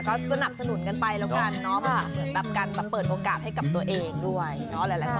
ก็สนับสนุนกันไปแล้วกันเนาะเหมือนแบบการแบบเปิดโอกาสให้กับตัวเองด้วยเนาะ